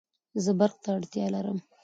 زه برق ته اړتیا لرم